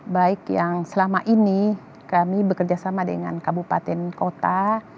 baik yang selama ini kami bekerja sama dengan kabupaten kota